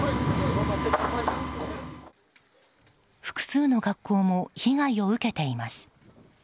複数の学校も被害を受けています。